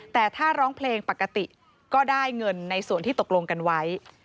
แต่ถ้าร้องเพลงปกติก็ได้เงินในส่วนที่ตกลงกันไว้